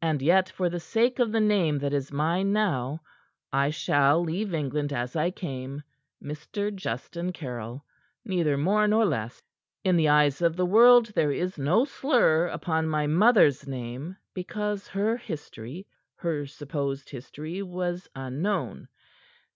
And yet, for the sake of the name that is mine now, I shall leave England as I came Mr. Justin Caryll, neither more nor less. "In the eyes of the world there is no slur upon my mother's name, because her history her supposed history was unknown.